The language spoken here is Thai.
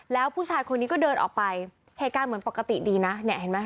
แล้วผู้ชายคนนี้ก็เดินออกไปเหตุการณ์เหมือนปกติดีนะเนี่ยเห็นไหม